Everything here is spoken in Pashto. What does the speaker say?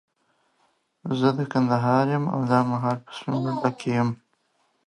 زه د کندهار يم، او دا مهال په سپين بولدک کي يم.